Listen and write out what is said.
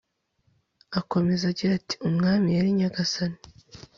Akomeza agira ati “Umwami yari Nyagasani